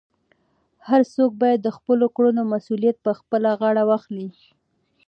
هر څوک باید د خپلو کړنو مسؤلیت په خپله غاړه واخلي.